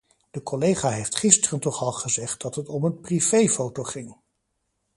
De collega heeft gisteren toch al gezegd dat het om een privé-foto ging.